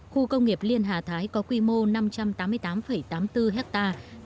khu công nghiệp liên hà thái có quy mô năm trăm tám mươi tám tám mươi bốn hectare